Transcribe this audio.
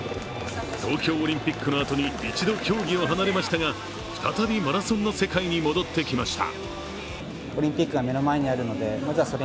東京オリンピックのあとに一度競技を離れましたが再びマラソンの世界に戻ってきました。